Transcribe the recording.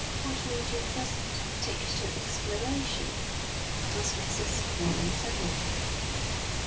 'What made you first take to exploration?' asked Mrs. Crowley suddenly.